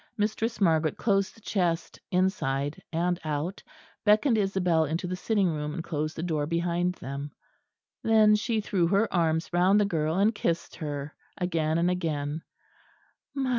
Mistress Margaret closed the chest inside and out, beckoned Isabel into the sitting room and closed the door behind them. Then she threw her arms round the girl and kissed her again and again.